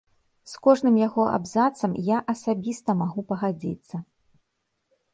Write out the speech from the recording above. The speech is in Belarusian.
З кожным яго абзацам я асабіста магу пагадзіцца.